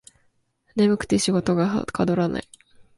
眠くて仕事がはかどらない